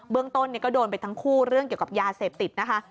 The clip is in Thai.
เรื่องต้นก็โดนไปทั้งคู่เรื่องเกี่ยวกับยาเสพติดนะคะ